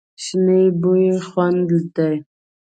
شنې بوی خوند دی.